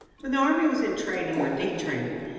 When the army was entraining or detrain ing.